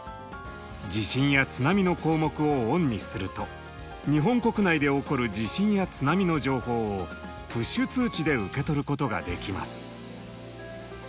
「地震」や「津波」の項目をオンにすると日本国内で起こる地震や津波の情報をプッシュ通知で受け取ることができます。